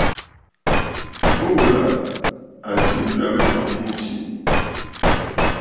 Mû ghù là à zî ǹtwɛ̀bə̂ ǹtɔ̀ŋ ŋù mə̀.